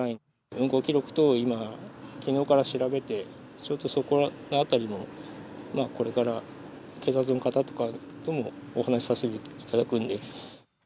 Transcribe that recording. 運行記録等を、きのうから調べて、ちょっとそこのあたりを、これから警察の方ともお話しさせていただくんで。